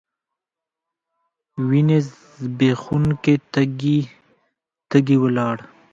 وینې ځبېښونکي تږي، تږي ولاړ